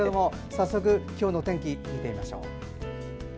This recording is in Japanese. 早速、今日の天気を見てみましょう。